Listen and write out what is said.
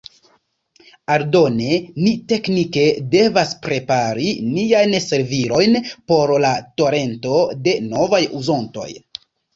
Aldone, ni teknike devas prepari niajn servilojn por la torento de novaj uzontoj.